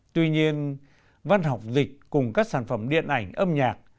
tuy nhiên văn học dịch cùng các sản phẩm điện ảnh âm nhạc